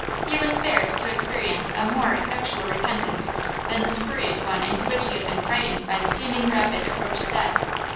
He was spared to experience a more effectual repentance than the spurious one into which he had been frightened by the seeming rapid approach of death.